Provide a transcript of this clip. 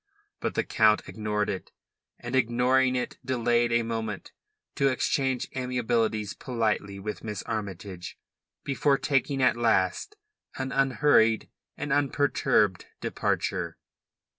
But the Count ignored it, and ignoring it delayed a moment to exchange amiabilities politely with Miss Armytage, before taking at last an unhurried and unperturbed departure.